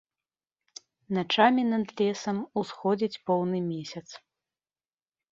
Начамі над лесам усходзіць поўны месяц.